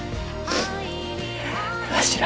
わしら。